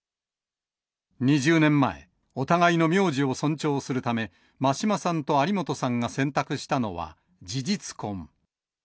２０年前、お互いの名字を尊重するため、真島さんと有本さんが選択したのは事実婚。